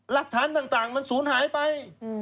หลักฐานต่างมันสูญหายไป